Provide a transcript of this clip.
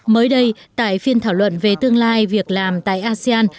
mới đây tại phiên thảo luận về tương lai việc làm tại asean